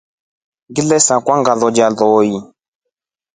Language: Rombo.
Ngile saakwa ngalolia nloli.